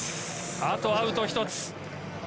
あとアウト１つ。